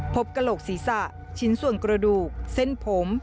กระโหลกศีรษะชิ้นส่วนกระดูกเส้นผม